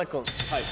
はい。